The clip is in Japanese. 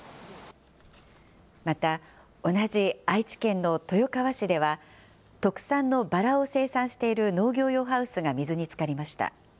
また、同じ愛知県の豊川市では、特産のバラを生産している農業用ハウスが水につかりました。